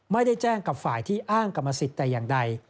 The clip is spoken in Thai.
ไม่ได้แจ้งกับฝ่ายที่อ้างกรรมสิทธิ์แต่อย่างใด